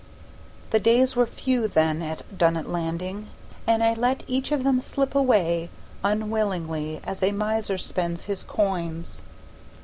The days were few then at Dunnet Landing, and I let each of them slip away unwillingly as a miser spends his coins.